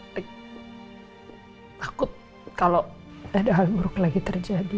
takut kalau ada hal buruk lagi terjadi